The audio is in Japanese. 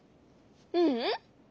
ううん。